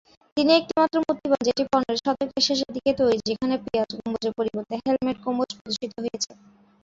তিনি একটিমাত্র মূর্তি পান, যেটি পনের শতকের শেষের দিকে তৈরি যেখানে পেঁয়াজ গম্বুজের পরিবর্তে হেলমেট গম্বুজ প্রদর্শিত হয়েছে।